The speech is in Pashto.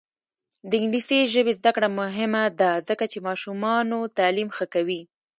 د انګلیسي ژبې زده کړه مهمه ده ځکه چې ماشومانو تعلیم ښه کوي.